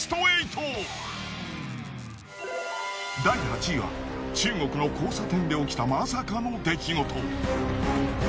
第８位は中国の交差点で起きたまさかの出来事。